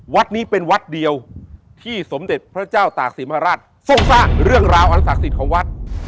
วัดนี้เป็นวัดเดียวที่สมเด็จพระเจ้าตากศิมราชทรงสร้างเรื่องราวอันศักดิ์สิทธิ์ของวัด